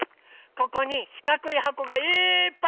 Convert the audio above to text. ここにしかくいはこがいっぱいありますね。